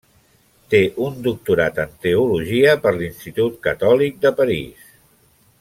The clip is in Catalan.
Té un doctorat en teologia per l'Institut Catòlic de París.